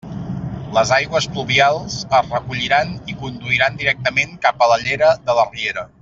Les aigües pluvials es recolliran i conduiran directament cap a la llera de la riera.